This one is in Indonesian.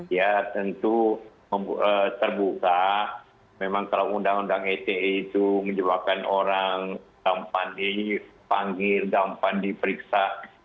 ya tentu terbuka memang kalau undang undang ite itu menyebabkan orang gampang dipanggil gampang diperiksa